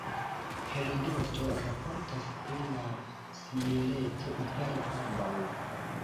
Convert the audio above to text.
Herodoto raportas pri la simileco inter ambaŭ.